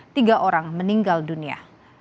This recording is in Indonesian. tiga orang meninggal dunia